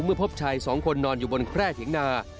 เมื่อพบชาย๒คนนอนอยู่บนแพร่เทียงนา